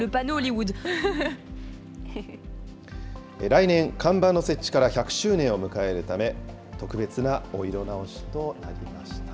来年、看板の設置から１００周年を迎えるため、特別なお色直しとなりました。